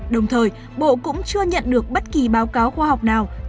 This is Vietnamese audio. đồng thời bộ cũng chưa nhận được bất kỳ báo cáo khoa học nào